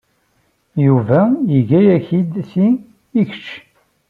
Yuba iga-ak-d ti i kečč.